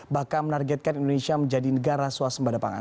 bahkan menargetkan indonesia menjadi negara suasembada pangan